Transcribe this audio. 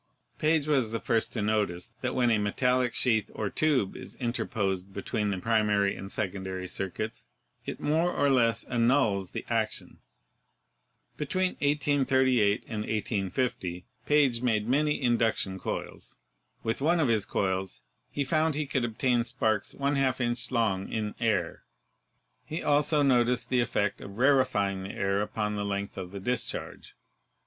Page was the first to notice that 206 ELECTRICITY when a metallic sheath or tube is interposed between the primary and secondary circuits, it more or less annuls the action. Between 1838 and 1850 Page made many in duction coils. With one of his coils he found he could obtain sparks y 2 inch long in air. He also noticed the effect of rarefying the air upon the length of the dis charge.